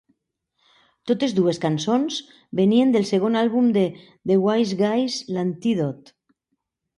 Totes dues cançons venien del segon àlbum de The Wiseguys, " L'antídot".